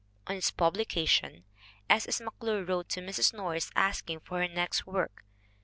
On its pub lication S. S. McClure wrote to Mrs. Norris asking for her next work.